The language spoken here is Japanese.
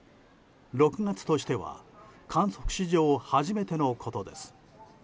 ６月としては観測史上初めてのことです。